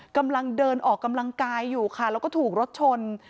กำลังเดินออกกำลังกายอยู่ค่ะแล้วก็ถูกรถชน